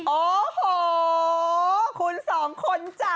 โอ้โหคุณ๒คนจ้ะ